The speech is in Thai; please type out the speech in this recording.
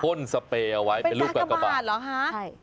พ่นสเปรย์เอาไว้เป็นลูกกากกาบาทเป็นกากกาบาทเหรอฮะ